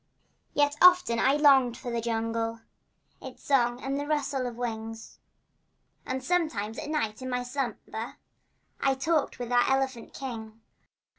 Yet often I longed for the jungle— Its song and the rustle of wing— And sometimes at night in my slumber I talked with our elephant king.